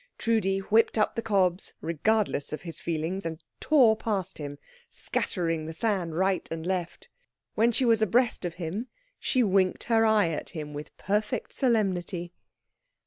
Trudi whipped up the cobs, regardless of his feelings, and tore past him, scattering the sand right and left. When she was abreast of him, she winked her eye at him with perfect solemnity.